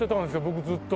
僕ずっと。